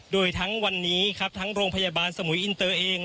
โดยทั้งวันนี้ครับทั้งโรงพยาบาลสมุยอินเตอร์เอง